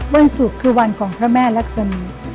วันสุดคือวันของพระแม่ลักษมีศ